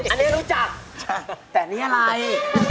อันนี้รู้จักแต่อันนี้อะไร